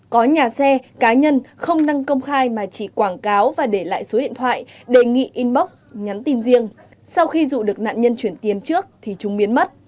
có nhà xe cá nhân không năng công khai mà chỉ quảng cáo và để lại số điện thoại đề nghị inbox nhắn tin riêng sau khi dụ được nạn nhân chuyển tiền trước thì chúng biến mất